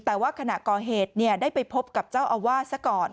แต่ว่าขณะก่อเหตุได้ไปพบกับเจ้าอาวาสซะก่อน